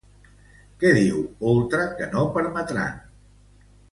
Què diu Oltra que no permetran?